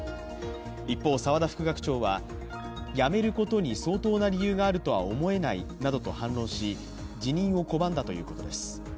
一方、沢田副学長は辞めることに相当な理由があるとは思えないなどと反論し辞任を拒んだということです。